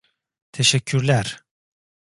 Teşekkürler!